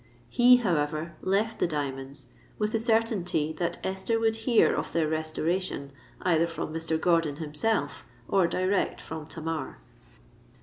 He, however, left the diamonds, with the certainty that Esther would hear of their restoration either from Mr. Gordon himself or direct from Tamar.